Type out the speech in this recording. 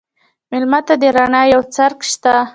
مېلمه ته د رڼا یو څرک شه.